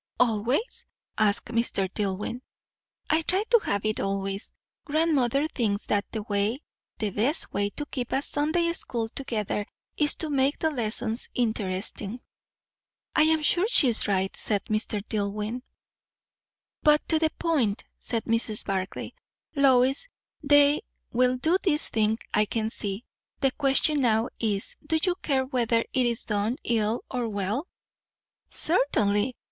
"Always?" asked Mr. Dillwyn. "I try to have it always. Grandmother thinks that the way the best way to keep a Sunday school together, is to make the lessons interesting." "I am sure she is right!" said Mr. Dillwyn. "But to the point," said Mrs. Barclay. "Lois, they will do this thing, I can see. The question now is, do you care whether it is done ill or well?" "Certainly!